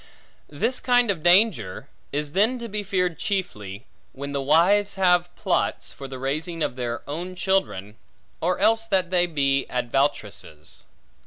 This kind of danger, is then to be feared chiefly, when the wives have plots, for the raising of their own children; or else that they be advoutresses.